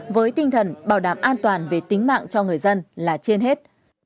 với tinh thần bảo đảm an toàn về tính mạng cho người dân là trên hết